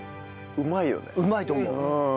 うまいと思う。